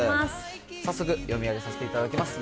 早速、読み上げさせていただきます。